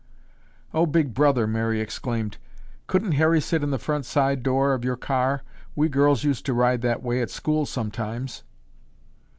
"Oh, Big Brother," Mary exclaimed, "couldn't Harry sit in the front side door of your car? We girls used to ride that way at school sometimes."